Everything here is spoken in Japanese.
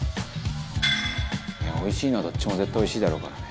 「おいしいのはどっちも絶対おいしいだろうからね」